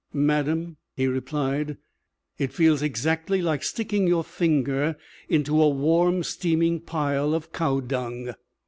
"Madam," he replied, "it feels exactly like sticking your finger into a warm, steaming pile of cow dung."